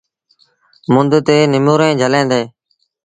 مند تي نموريٚݩ جھلي دو۔